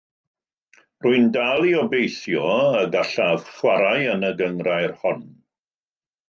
Rwy'n dal i obeithio y gallaf chwarae yn y gynghrair hon.